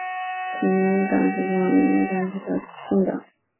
统一党是中华民国初年的政党。